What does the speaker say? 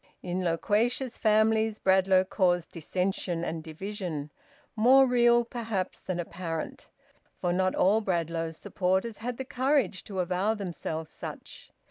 In loquacious families Bradlaugh caused dissension and division, more real perhaps than apparent, for not all Bradlaugh's supporters had the courage to avow themselves such.